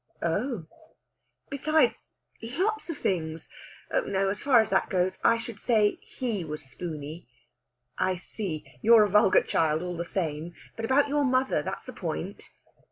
"Oh!" "Besides lots of things! Oh no; as far as that goes, I should say he was spooney." "I see. You're a vulgar child, all the same! But about your mother that's the point."